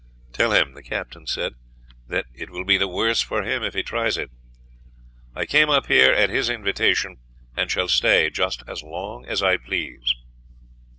"Tell him," the captain said, "that it will be the worse for him if he tries it. I came up here at his invitation, and shall stay just as long as I please."